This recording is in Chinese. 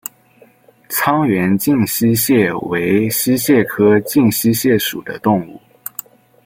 沧源近溪蟹为溪蟹科近溪蟹属的动物。